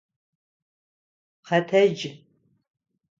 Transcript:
Къэтэдж!